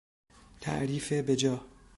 تعریف به جا